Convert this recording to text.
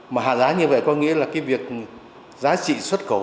mà hạ giá như vậy có nghĩa là cái việc giá trị xuất khẩu